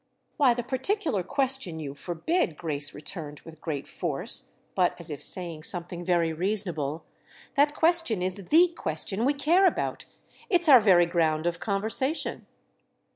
"Why, the particular question you forbid," Grace returned with great force, but as if saying something very reasonable—"that question is the question we care about: it's our very ground of conversation."